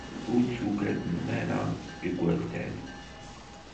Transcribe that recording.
Ur t-ugaden ara igerdan.